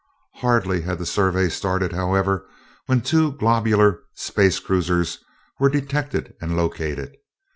Hardly had the survey started, however, when the two globular space cruisers were detected and located.